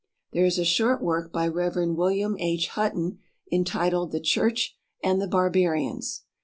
There is a short work by Rev. William H. Hutton entitled "The Church and the Barbarians."